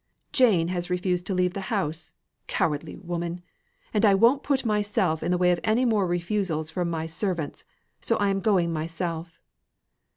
Jane has refused to leave the house, cowardly woman! And I won't put myself in the way of any more refusals from my servants, so I am going myself."